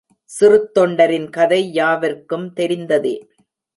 சிறுத்தொண்டரின் கதை யாவருக்கும் தெரிந்ததே.